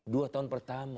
dua tahun pertama